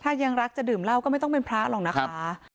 ถ้ายังรักจะดื่มเหล้าก็ไม่ต้องเป็นพระหรอกนะคะ